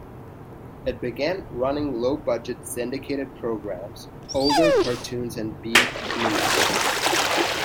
It began running low-budget syndicated programs, older cartoons, and B-movies.